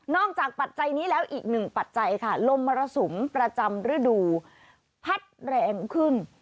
จากปัจจัยนี้แล้วอีกหนึ่งปัจจัยค่ะลมมรสุมประจำฤดูพัดแรงขึ้น